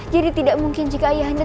jadi tidak mungkin jika ayah anda